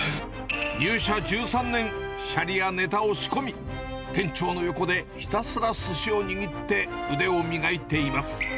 入社１３年、シャリやネタを仕込み、店長の横でひたすらすしを握って、腕を磨いています。